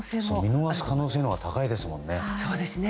見逃す可能性のほうが高いですよね。